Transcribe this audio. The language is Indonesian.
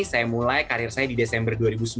saya mulai karir saya di desember dua ribu sembilan